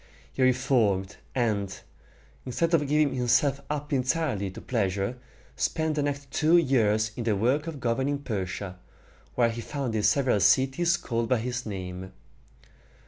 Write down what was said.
He reformed, and, instead of giving himself up entirely to pleasure, spent the next two years in the work of governing Persia, where he founded several cities called by his name.